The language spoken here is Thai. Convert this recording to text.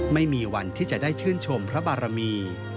ไม่มีวันที่จะได้ชื่นชมพระบารมี